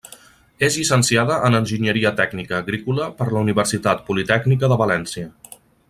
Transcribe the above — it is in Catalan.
És llicenciada en Enginyeria Tècnica Agrícola per la Universitat Politècnica de València.